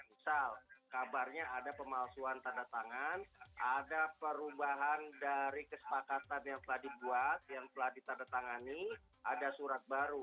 misal kabarnya ada pemalsuan tanda tangan ada perubahan dari kesepakatan yang telah dibuat yang telah ditandatangani ada surat baru